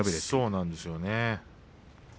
そうなんですよね。